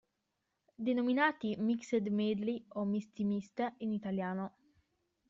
Denominati "mixed medley" o "misti miste" in italiano.